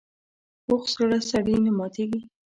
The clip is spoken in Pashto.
پوخ زړه سړي نه ماتېږي